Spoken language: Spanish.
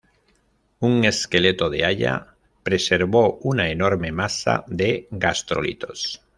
Un esqueleto de "Haya" preservó una enorme masa de gastrolitos.